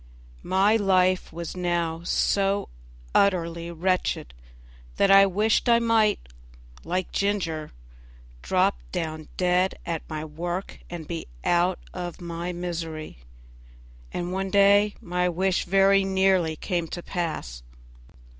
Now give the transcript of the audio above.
My life was now so utterly wretched that I wished I might, like Ginger, drop down dead at my work and be out of my misery, and one day my wish very nearly came to pass.